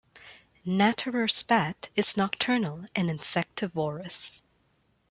Natterer's bat is nocturnal and insectivorous.